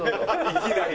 いきなり。